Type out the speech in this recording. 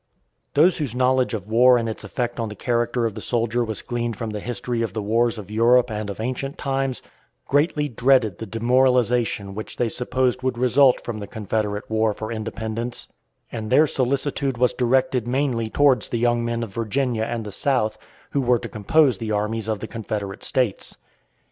Those whose knowledge of war and its effects on the character of the soldier was gleaned from the history of the wars of Europe and of ancient times, greatly dreaded the demoralization which they supposed would result from the Confederate war for independence, and their solicitude was directed mainly towards the young men of Virginia and the South who were to compose the armies of the Confederate States.